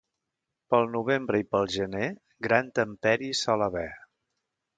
Pel novembre i pel gener, gran temperi hi sol haver.